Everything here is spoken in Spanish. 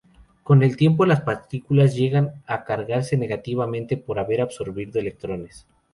Con el tiempo, las partículas llegan a cargarse negativamente por haber absorbido electrones.